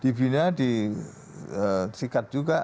dibina disikat juga